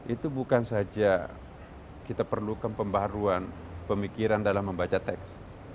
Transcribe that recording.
itu bukan saja kita perlukan pembaruan pemikiran dalam membaca teks